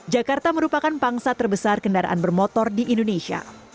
jakarta merupakan pangsa terbesar kendaraan bermotor di indonesia